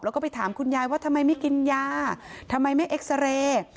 แล้วก็ไปถามคุณยายว่าทำไมไม่กินยาทำไมไม่เอ็กซาเรย์